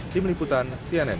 di meliputan cnn